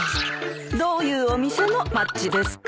どういうお店のマッチですか？